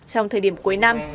trong thời điểm cuối năm